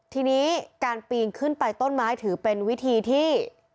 ทีนี้การปีนขึ้นไปต้นไม้ถือเป็นวิธีที่